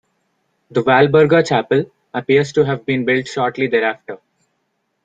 The "Walburga Chapel" appears to have been built shortly thereafter.